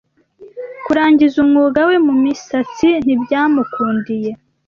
Kurangiza umwuga we mumisatsi ntibyamukundiye